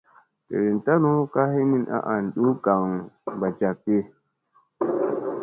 Delen tanu ka hinin a an duu gagaŋ mbaa jakki.